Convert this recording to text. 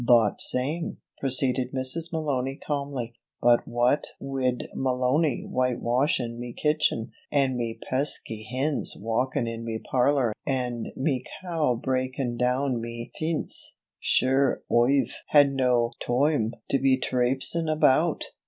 "Thot same," proceeded Mrs. Malony, calmly. "But what wid Malony white washin' me kitchen, an' me pesky hins walkin' in me parlor and me cow breakin' down me fince, sure Oi've had no toime to be traipsin' about."